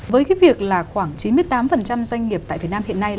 với cái việc là khoảng chín mươi tám doanh nghiệp tại việt nam hiện nay